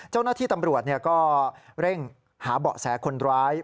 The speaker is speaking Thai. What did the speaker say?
เจ้าหน้าที่ตำรวจก็เร่งหาเบาะแสคนร้าย